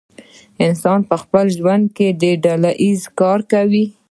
انسان په خپل ژوند کې ډله ایز کار کوي.